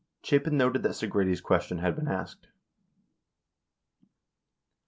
Chapin noted that Segretti's ques tion had been asked.